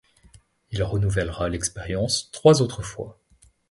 Il renouvellera l'expérience trois autres fois.